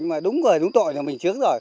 mà đúng người đúng tội là mình trước rồi